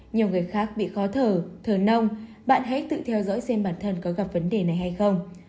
nhiều người khác bị khó thở thở nông bạn hãy tự theo dõi xem bản thân có gặp vấn đề này hay không